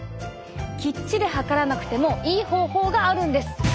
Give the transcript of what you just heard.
きっちり量らなくてもいい方法があるんです。